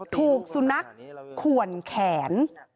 ถูกสุนัขขวนแขน